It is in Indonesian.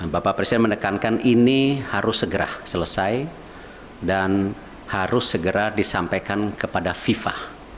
bapak presiden mendekankan ini harus segera selesai dan harus segera disampaikan kepada fifa